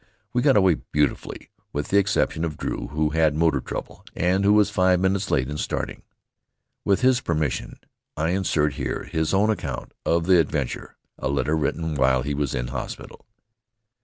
We got away beautifully, with the exception of Drew, who had motor trouble and was five minutes late in starting. With his permission I insert here his own account of the adventure a letter written while he was in hospital.